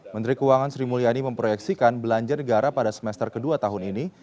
menteri keuangan sri mulyani memproyeksikan belanja negara pada semester kedua tahun ini